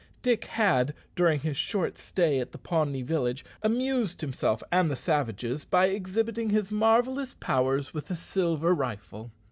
Dick had, during his short stay at the Pawnee village, amused himself and the savages by exhibiting his marvellous powers with the "silver rifle."